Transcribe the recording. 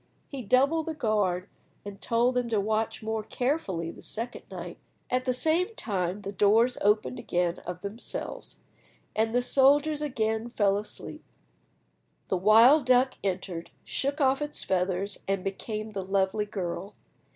He doubled the guard, and told them to watch more carefully the second night. At the same time the doors opened again of themselves, and the soldiers again fell asleep. The wild duck entered, shook off its feathers, and became the lovely girl.